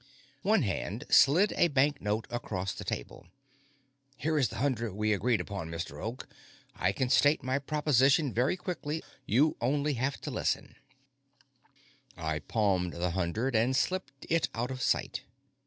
One hand slid a banknote across the table. "Here is the hundred we agreed upon, Mr. Oak. I can state my proposition very quickly; you have only to listen." I palmed the hundred and slipped it out of sight.